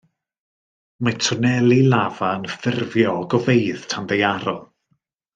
Mae twneli lafa yn ffurfio ogofeydd tanddaearol.